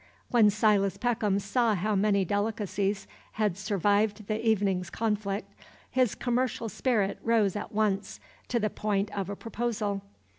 When Silas Peckham saw how many delicacies had survived the evening's conflict, his commercial spirit rose at once to the point of a proposal.